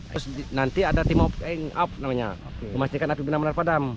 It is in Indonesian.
terus nanti ada tim apa namanya memastikan api benar benar padam